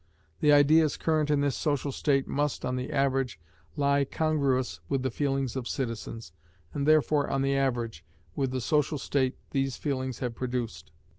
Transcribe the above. The ideas current in this social state must, on the average, lie congruous with the feelings of citizens, and therefore, on the average, with the social state these feelings have produced.